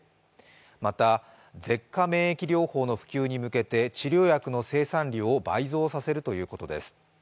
また舌下免疫療法の普及に向けて治療薬の生産量を倍増させるということです。